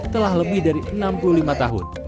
telah lebih dari enam puluh lima tahun